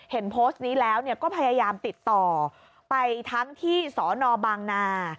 เห็นโพสต์นี้แล้วก็พยายามติดต่อไปทั้งที่สนบางนา